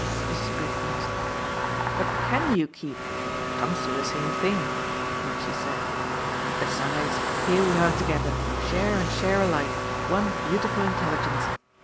Mrs. Brook asked. "What CAN you keep? It comes to the same thing," Mitchy said. "Besides, here we are together, share and share alike one beautiful intelligence.